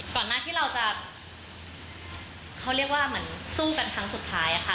ก่อนหน้าที่เราจะเขาเรียกว่าเหมือนสู้กันครั้งสุดท้ายค่ะ